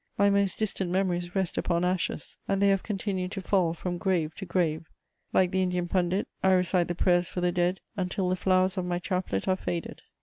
My most distant memories rest upon ashes, and they have continued to fall from grave to grave: like the Indian pundit, I recite the prayers for the dead until the flowers of my chaplet are faded.